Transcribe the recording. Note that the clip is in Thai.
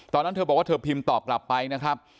ตอนนั้นเธอบอกว่าเธอพิมพ์ตอบกลับไปนะครับ